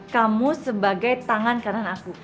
kamu sebagai tangan kanan aku